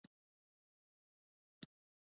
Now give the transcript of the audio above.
د هندوکش شمالي برخه ولې سړه ده؟